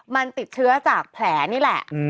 มันติดเชื้อจากแผลนี่แหละ